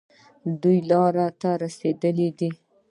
دوه لارې ته رسېدلی دی